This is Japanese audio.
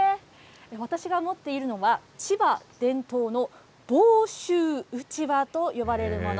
私が持っているのは、千葉伝統の房州うちわと呼ばれるもの。